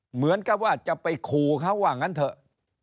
เหมือนกับว่าจะไปขู่เขาว่างั้นเถอะ